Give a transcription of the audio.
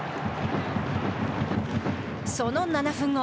その７分後。